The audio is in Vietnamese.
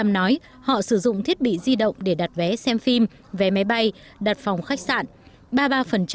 năm nói họ sử dụng thiết bị di động để đặt vé xem phim vé máy bay đặt phòng khách sạn